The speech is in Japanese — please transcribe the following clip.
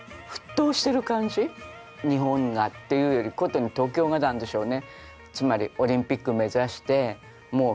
日本がっていうよりことに東京がなんでしょうね。